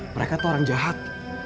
mereka tuh orang jahat